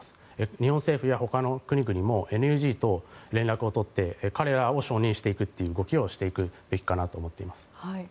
日本政府やほかの国々もＮＬＤと連絡を取って彼らを承認していく動きをしていくべきだと思っています。